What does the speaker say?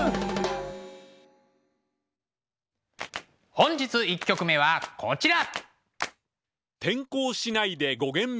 本日１曲目はこちら。